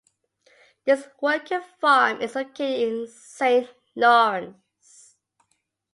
This working farm is located in Saint Lawrence.